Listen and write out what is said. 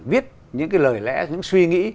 viết những cái lời lẽ những suy nghĩ